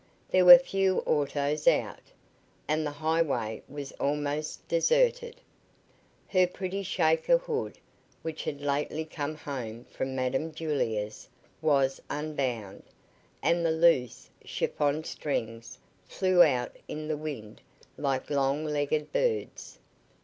There were few autos out, and the highway was almost deserted. Her pretty Shaker hood, which had lately come home from Madam Julia's, was unbound, and the loose, chiffon strings flew out in the wind like long legged birds.